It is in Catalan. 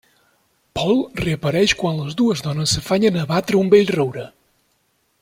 Paul reapareix quan les dues dones s'afanyen a abatre un vell roure.